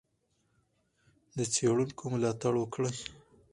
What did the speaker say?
د څېړونکو ملاتړ وکړئ.